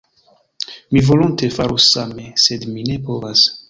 Mi volonte farus same, sed mi ne povas.